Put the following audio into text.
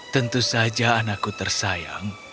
tentu saja anakku tersayang